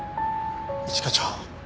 一課長！